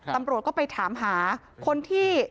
ตำรวจก็ไปถามหาคนที่